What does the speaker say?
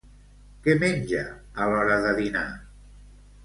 Què menja a l'hora de dinar?